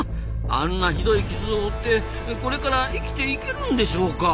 あんなひどい傷を負ってこれから生きていけるんでしょうか？